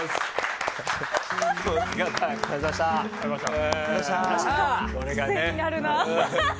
癖になるな。